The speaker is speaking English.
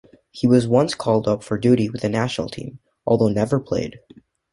He was once called up for duty with the national team, although never played.